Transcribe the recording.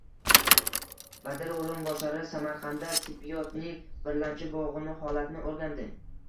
Vazir o‘rinbosari Samarqandda tibbiyotning birlamchi bo‘g‘ini holatini o‘rgandi